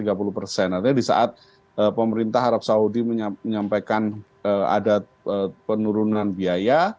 artinya di saat pemerintah arab saudi menyampaikan ada penurunan biaya